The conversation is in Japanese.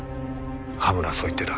羽村はそう言ってた。